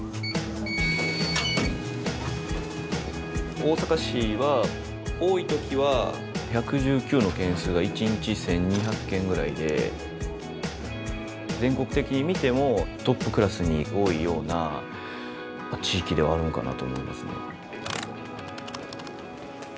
大阪市は多い時は１１９の件数が１日１，２００件ぐらいで全国的に見てもトップクラスに多いような地域ではあるんかなと思いますね。